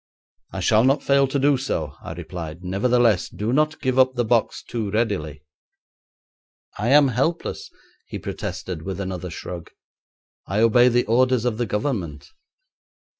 'I shall not fail to do so,' I replied. 'Nevertheless, do not give up the box too readily.' 'I am helpless,' he protested with another shrug. 'I obey the orders of the Government.'